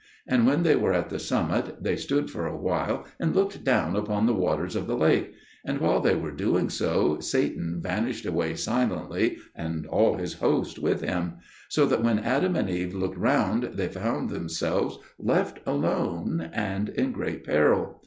And when they were at the summit, they stood for a while and looked down upon the waters of the lake; and while they were doing so, Satan vanished away silently, and all his host with him; so that when Adam and Eve looked round, they found themselves left alone and in great peril.